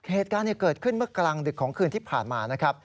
เหตุการณ์เกิดขึ้นเมื่อกลางดึกของคืนที่ผ่านมานะครับ